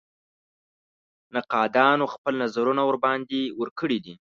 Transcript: نقادانو خپل نظرونه ورباندې ورکړي دي.